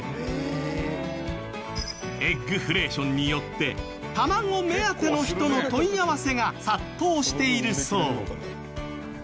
エッグフレーションによって卵目当ての人の問い合わせが殺到しているそう。